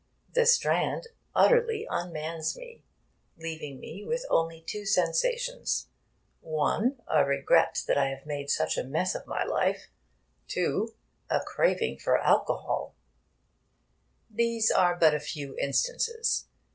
The Strand utterly unmans me, leaving me with only two sensations: (1) a regret that I have made such a mess of my life; (2) a craving for alcohol. These are but a few instances.